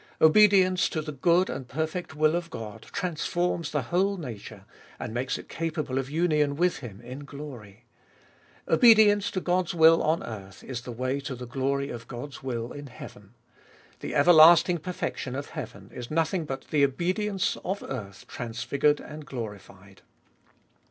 Obedience to the good and perfect will of God transforms the whole nature, and makes it capable of union with Him in glory. Obedience to God's will on earth is the way to the glory of God's will in heaven. The everlasting perfection of heaven is nothing but the obedience of earth trans figured and glorified.